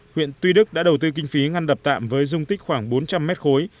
huyện tuy đức đã đầu tư kinh phí ngăn đập tạm với dung tích khoảng bốn trăm linh mét khối